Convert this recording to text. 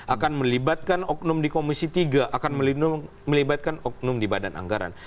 akan melibatkan oknum di komisi tiga akan melibatkan oknum di badan anggaran